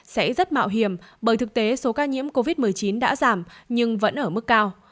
sẽ rất mạo hiểm bởi thực tế số ca nhiễm covid một mươi chín đã giảm nhưng vẫn ở mức cao